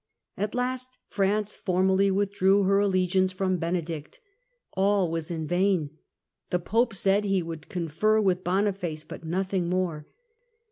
At last France formally withdrew her allegiance from Benedict. All was in vain. The Pope said he would confer with Boniface, but nothing more.